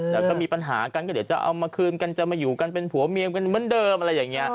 แล้วก็มีปัญหากันก็เดี๋ยวจะเอามาคืนกันจะมาอยู่กันเป็นผัวเมียกันเหมือนเดิมอะไรอย่างนี้